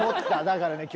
だからね